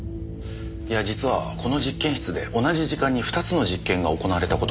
いや実はこの実験室で同じ時間に２つの実験が行われた事になってるんですよ。